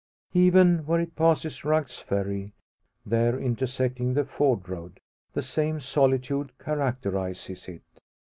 Even where it passes Rugg's Ferry, there intersecting the ford road, the same solitude characterises it.